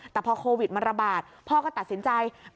แต่พอโควิดมันระบาดพ่อก็ตัดสินใจ